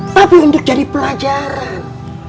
tapi untuk jadi pelajaran